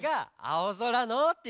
「青空の」！